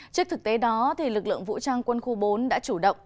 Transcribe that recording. trước thực tế đó lực lượng vũ trang quân khu bốn đã chủ động